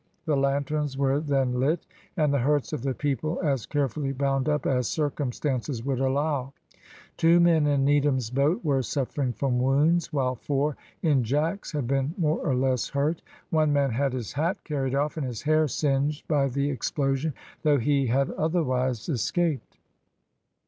The lanterns were then lit, and the hurts of the people as carefully bound up as circumstances would allow. Two men in Needham's boat were suffering from wounds, while four in Jack's had been more or less hurt. One man had his hat carried off and his hair singed by the explosion, though he had otherwise escaped.